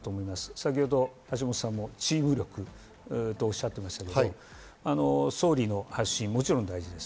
先ほどチーム力とおっしゃいましたが、総理の発信、もちろん大事です。